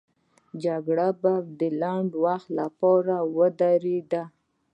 جګړه به د لنډ وخت لپاره ودرېده.